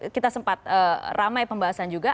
kita sempat ramai pembahasan juga